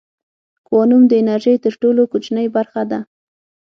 کوانوم د انرژۍ تر ټولو کوچنۍ برخه ده.